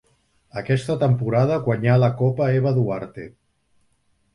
Aquesta temporada guanyà la Copa Eva Duarte.